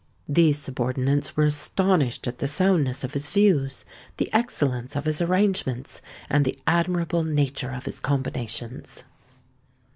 These subordinates were astonished at the soundness of his views, the excellence of his arrangements, and the admirable nature of his combinations.